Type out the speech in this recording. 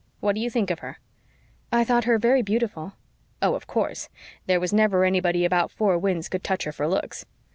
What do you think of her?" "I thought her very beautiful." "Oh, of course. There was never anybody about Four Winds could touch her for looks.